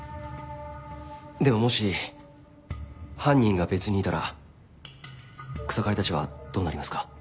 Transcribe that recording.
でももし犯人が別にいたら草刈たちはどうなりますか？